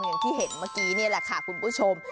อย่างที่เห็นเมื่อกี้นี่แหละค่ะคุณผู้ชม